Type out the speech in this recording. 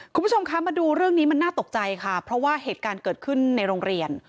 คุณผู้ชมคะมาดูเรื่องนี้มันน่าตกใจค่ะเพราะว่าเหตุการณ์เกิดขึ้นในโรงเรียน